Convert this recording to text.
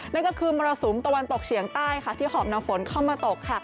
นั่นก็คือมรสุมตะวันตกเฉียงใต้ค่ะที่หอบนำฝนเข้ามาตก